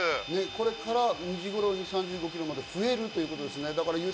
これから３５キロまで増えるということですね。